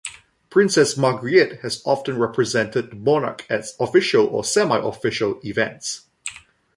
Princess Margriet has often represented the monarch at official or semi-official events.